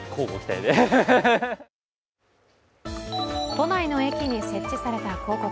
都内の駅に設置された広告。